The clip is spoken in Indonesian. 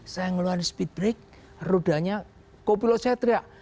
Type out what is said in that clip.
saya ngeluarin speed brake rudanya kopilot saya teriak